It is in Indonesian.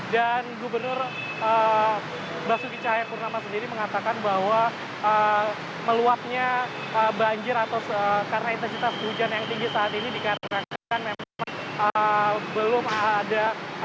dan gubernur basuki cahaya purnama sendiri mengatakan bahwa meluapnya banjir atau karena intensitas hujan yang tinggi saat ini dikarenakan memang belum ada